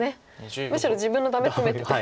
むしろ自分のダメツメてて。